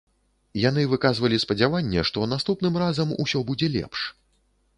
Яны выказвалі спадзяванне, што наступным разам усё будзе лепш.